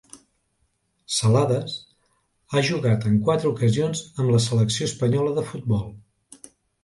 Celades ha jugat en quatre ocasions amb la selecció espanyola de futbol.